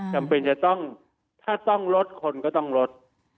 จำเป็นจะต้องถ้าต้องลดคนก็ต้องลด